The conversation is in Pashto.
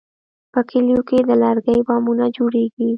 په کلیو کې د لرګي بامونه جوړېږي.